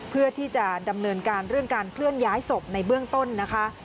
เพื่อที่จะดำเนินการเรื่องการเคลื่อนย้ายศพในเบื้องต้นนะคะ